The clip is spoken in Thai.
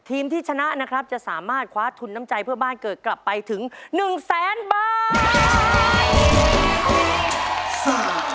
ทีมที่ชนะจะสามารถคว้าทุนน้ำใจเกิดกลับไปไปถึง๑๐๐๐๐๐บาท